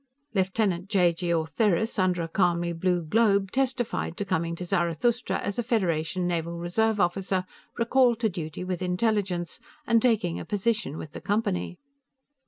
Lieutenant j.g. Ortheris, under a calmly blue globe, testified to coming to Zarathustra as a Federation Naval Reserve officer recalled to duty with Intelligence, and taking a position with the Company.